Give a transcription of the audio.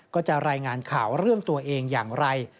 ก็จะรายงานข่าวเรื่องตัวเองอย่างไร